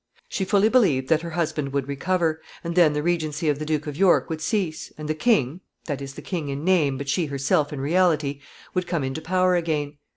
She fully believed that her husband would recover, and then the regency of the Duke of York would cease, and the king that is, the king in name, but she herself in reality would come into power again.